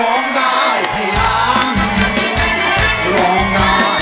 ร้องได้ให้รัก